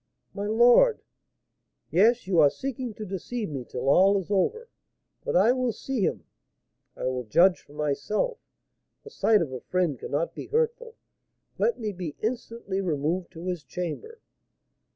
"My lord " "Yes, you are seeking to deceive me till all is over. But I will see him, I will judge for myself; the sight of a friend cannot be hurtful. Let me be instantly removed to his chamber."